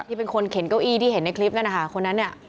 ที่เป็นคนเข็นเก้าอี้ที่เห็นในคลิปนั่นนะคะคนนั้นเนี่ย